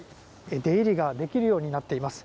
出入りができるようになっています。